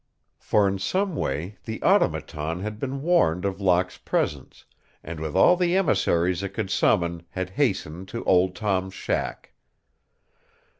For in some way the Automaton had been warned of Locke's presence, and with all the emissaries it could summon had hastened to Old Tom's shack.